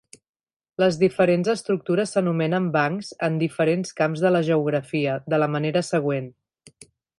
Les diferents estructures s'anomenen "bancs" en diferents camps de la geografia, de la manera següent: